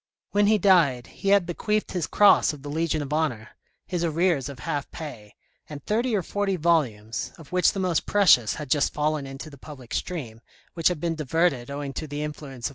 When he died, he had bequeathed his Cross of the Legion of Honour, his arrears of half pay, and thirty or forty volumes, of which the most precious had just fallen into the public stream, which had been diverted owing to the influence of M.